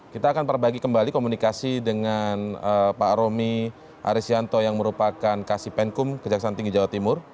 kita akan perbagi kembali komunikasi dengan pak romi aris yanto yang merupakan kasipenkum kejaksaan tinggi jawa timur